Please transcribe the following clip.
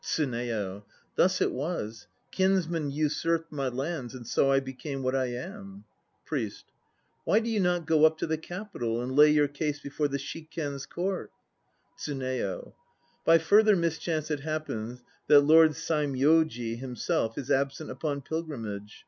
TSUNEYO. Thus it was: kinsmen usurped my lands, and so I became what I am. PRIEST. Why do you not go up to the Capital and lay your case before the Shikken's court? TSUNEYO. By further mischance it happens that Lord Saimyoji l himself is absent upon pilgrimage.